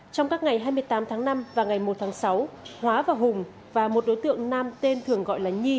trong các ngày hai mươi tám tháng năm và ngày một tháng sáu hóa và hùng và một đối tượng nam tên thường gọi là nhi